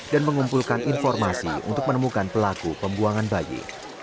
dan mengumpulkan informasi untuk menemukan pelaku pembuangan bayi